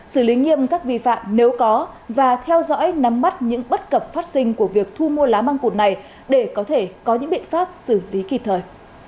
xử lý nghiêm các vi phạm nếu có và theo dõi nắm bắt những bất cập phát sinh của việc thu mua lá măng cụt này để có thể có những biện pháp xử lý kịp thời